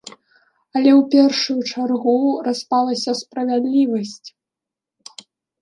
Але ў першую чаргу распалася справядлівасць.